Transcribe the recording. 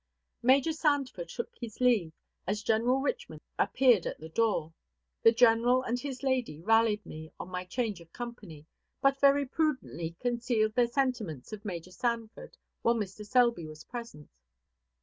Major Sanford took his leave as General Richman appeared at the door. The general and his lady rallied me on my change of company, but very prudently concealed their sentiments of Major Sanford while Mr. Selby was present.